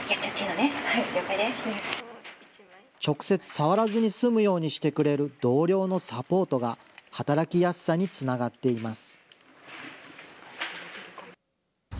触らずに済むようにしてくれる同僚のサポートが、働きやすさにつながっています。